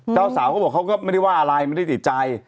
เจ้าสาวเขาบอกเขาก็ไม่ได้ว่าอะไรไม่ได้ติดใจ